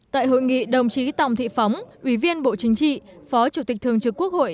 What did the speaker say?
tại hội nghị đồng chí tòng thị phóng ủy viên bộ chính trị phó chủ tịch thường trực quốc hội